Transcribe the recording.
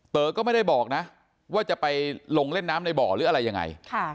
ก็ไม่ได้บอกนะว่าจะไปลงเล่นน้ำในบ่อหรืออะไรยังไง